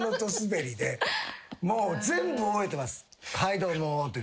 もう全部覚えてます。